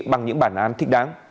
bằng những bản án thích đáng